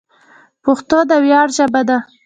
پښتو د ویاړ ژبه ده.